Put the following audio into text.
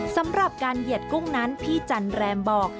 สำหรับการเหยียดกุ้งนั้นพี่จันแรมบอก